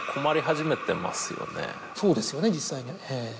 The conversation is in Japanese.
そうですよね実際にええ。